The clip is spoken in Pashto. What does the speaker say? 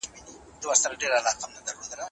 آيا رباني مرحله تخيلي ده؟